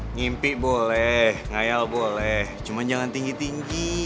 ngimpi boleh ngayal boleh cuma jangan tinggi tinggi